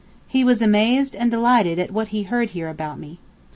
He was amazed and delighted at what he heard here about me.